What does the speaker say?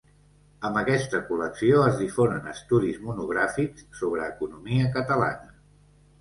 Amb aquesta col·lecció es difonen estudis monogràfics sobre economia catalana.